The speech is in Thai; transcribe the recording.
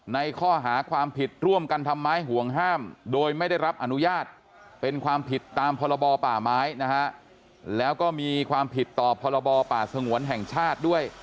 ในข้อหาความผิดร่วมกันทำไม้ห่วงห้าม